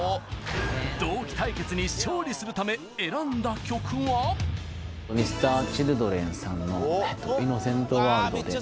同期対決に勝利するため選んだ曲はＭｒ．Ｃｈｉｌｄｒｅｎさんの「ｉｎｎｏｃｅｎｔＷｏｒｌｄ」です